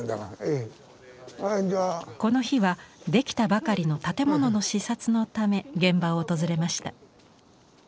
この日は出来たばかりの建物の視察のため現場を訪れました。